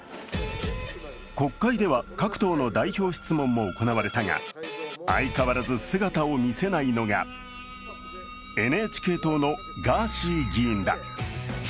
国会では各党の代表質問も行われたが、相変わらず姿を見せないのがＮＨＫ党のガーシー議員だ。